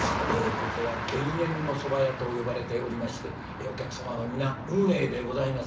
ここは『田園』のそば屋と呼ばれておりましてお客様は皆『運命』でございます。